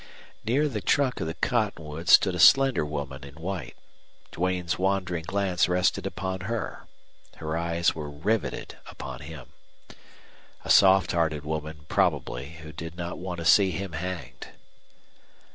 Near the trunk of the cottonwood stood a slender woman in white. Duane's wandering glance rested upon her. Her eyes were riveted upon him. A soft hearted woman, probably, who did not want to see him hanged!